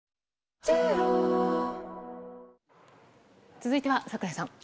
続いては、櫻井さん。